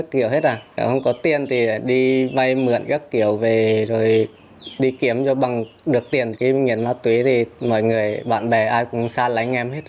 khi nghiện ma túy thì mọi người bạn bè ai cũng xa lánh em hết